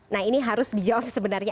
nah ini harus dijawab sebenarnya